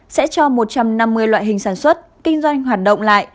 sẽ cho một trăm năm mươi loại hình sản xuất kinh doanh hoạt động lại